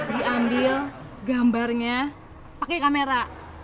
diambil gambarnya pakai kamera